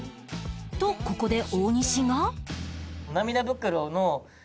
とここで大西が